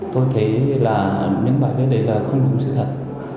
tôi thấy là những bản viết đấy là không đúng sự thật